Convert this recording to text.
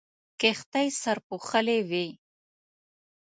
کښتۍ سرپوښلې وې.